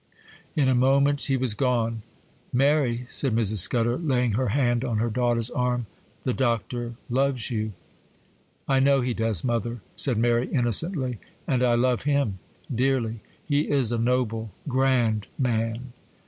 In a moment he was gone. 'Mary,' said Mrs. Scudder, laying her hand on her daughter's arm, 'the Doctor loves you!' 'I know he does, mother,' said Mary, innocently; 'and I love him,—dearly!—he is a noble, grand man!